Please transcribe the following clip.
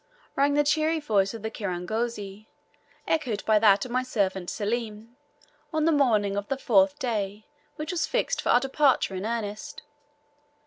rang the cheery voice of the kirangozi, echoed by that of my servant Selim, on the morning of the fourth day, which was fixed for our departure in earnest.